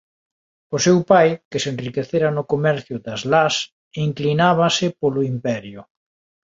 O seu pai, que se enriquecera no comercio das las, inclinábase polo Imperio.